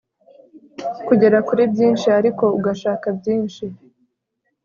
kugera kuri byinshi ariko ugashaka byinshi